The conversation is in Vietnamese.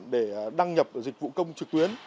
để đăng nhập dịch vụ công trực tuyến